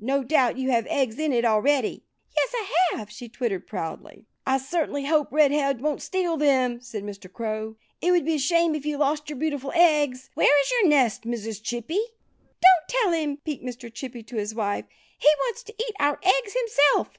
No doubt you have eggs in it already." "Yes, I have!" she twittered proudly. "I certainly hope Red head won't steal them," said Mr. Crow. "It would be a shame if you lost your beautiful eggs.... Where is your nest, Mrs. Chippy?" "Don't tell him!" peeped Mr. Chippy to his wife. "He wants to eat our eggs himself."